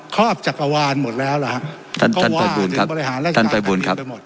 ครอบจักรวาลหมดแล้วล่ะฮะท่านประบูรณ์ครับท่านประบูรณ์ครับ